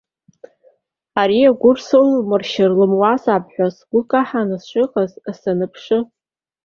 Ари агәыр салмыршьыр лымуазаап ҳәа сгәы каҳаны сшыҟаз, саныԥшы.